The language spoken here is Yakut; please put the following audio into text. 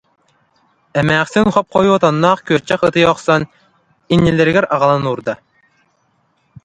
Эмээхсин хоп-хойуу отонноох күөрчэх ытыйа охсон, иннилэригэр аҕалан уурда